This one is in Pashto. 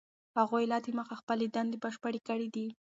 هغوی لا دمخه خپلې دندې بشپړې کړي دي.